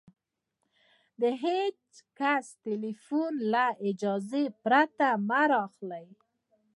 د هېڅ کس ټلیفون له اجازې پرته مه را اخلئ!